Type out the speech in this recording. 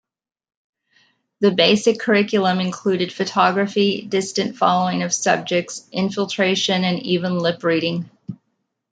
The basic curriculum included photography, distant following of subjects, infiltration, and even lip reading.